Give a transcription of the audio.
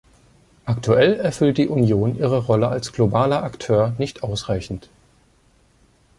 Aktuell erfüllt die Union ihre Rolle als globaler Akteur nicht ausreichend.